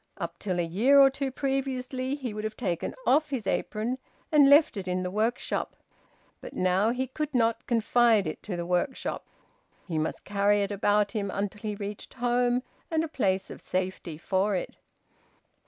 Up till a year or two previously he would have taken off his apron and left it in the workshop; but now he could not confide it to the workshop; he must carry it about him until he reached home and a place of safety for it.